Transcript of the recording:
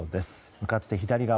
向かって左側